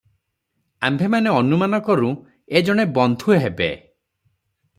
ଆମ୍ଭେମାନେ ଅନୁମାନ କରୁଁ ଏ ଜଣେ ବନ୍ଧୁ ହେବେ ।